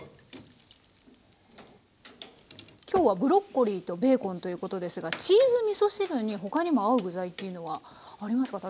今日はブロッコリーとベーコンということですがチーズみそ汁に他にも合う具材っていうのはありますか？